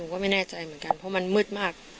ก็ไม่แน่ใจเหมือนกันเพราะมันมืดมาก